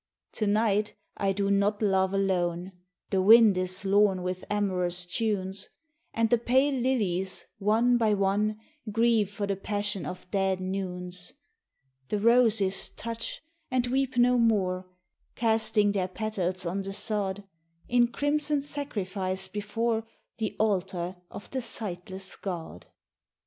To night I do not love alone, The wind is lorn with amorous tunes, And the pale lilies one by one Grieve for the passion of dead noons ; The roses touch and weep no more, Casting their petals on the sod In crimson sacrifice before The altar of the sightless god.